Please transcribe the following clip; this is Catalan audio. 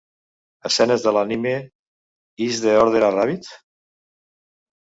Escenes de l'anime "Is the Order a Rabbit?"